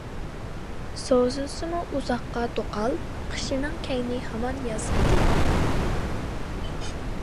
سوزۇلسىمۇ ئۇزاققا دوقال، قىشنىڭ كەينى ھامان ياز ئىدى.